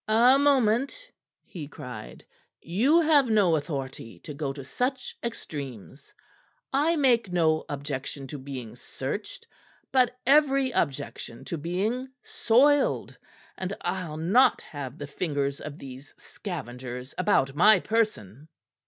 "A moment!" he cried. "You have no authority to go to such extremes. I make no objection to being searched; but every objection to being soiled, and I'll not have the fingers of these scavengers about my person."